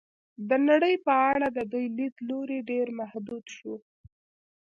د نړۍ په اړه د دوی لید لوری ډېر محدود شو.